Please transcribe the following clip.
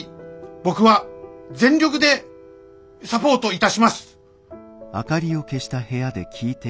僕は全力でサポートいたします！